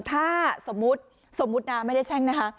ถ้าสมมุติสมมุตินะไม่ได้แช่งนะคะ